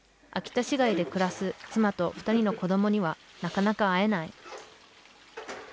秋田市街で暮らす妻と２人の子供にはなかなか会えない。